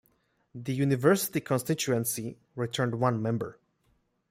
The University constituency returned one member.